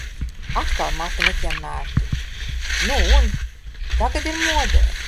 Atkal mati neķemmēti. Nu un! Tagad ir modē.